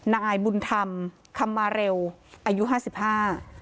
นายบุญธรรมคำมาเร็วอายุห้าสิบห้า